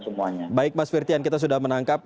semuanya baik mas firtian kita sudah menangkap